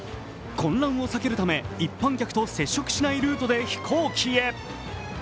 混乱を避けるため一般客と接触しないルートで飛行機へ。